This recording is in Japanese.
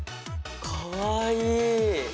かわいい！